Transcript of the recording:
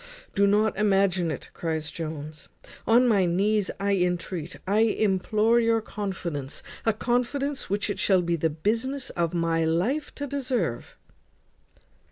"Do not imagine it," cries Jones. "On my knees I intreat, I implore your confidence, a confidence which it shall be the business of my life to deserve."